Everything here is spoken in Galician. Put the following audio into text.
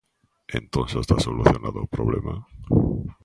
Entón, xa está solucionado o problema.